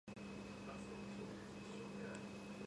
სოფელს დიდ ზიანს აყენებდა ლეკიანობა.